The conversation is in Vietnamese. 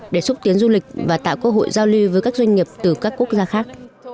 để xúc tiến du lịch và tạo cơ hội giao lưu với các doanh nghiệp từ các quốc gia khác